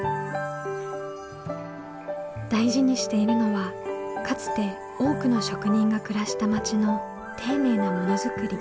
大事にしているのはかつて多くの職人が暮らした町の丁寧なものづくり。